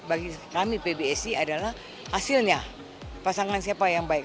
bagi kami pbsi adalah hasilnya pasangan siapa yang baik